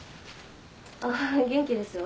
ああ元気ですよ。